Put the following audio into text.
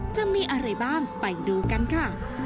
จะมีอะไรบ้างไปดูกันค่ะ